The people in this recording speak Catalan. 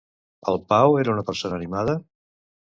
El Pau era una persona animada?